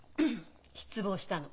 失望したの。